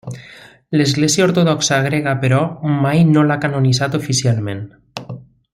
L'Església Ortodoxa Grega, però, mai no l'ha canonitzat oficialment.